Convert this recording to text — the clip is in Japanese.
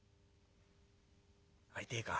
会いてえか？